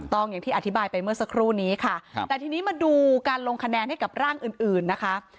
อย่างที่อธิบายไปเมื่อสักครู่นี้ค่ะแต่ทีนี้มาดูการลงคะแนนให้กับร่างอื่นอื่นนะคะ